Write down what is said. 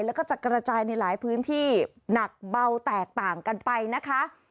แล้วก็จะกระจายในหลายพื้นที่หนักเบาแตกต่างกันไปนะคะ